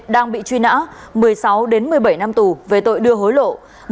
đang bị truy nã một mươi sáu một mươi bảy năm tù về tội đưa hối lộ